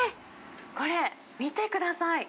これ、見てください。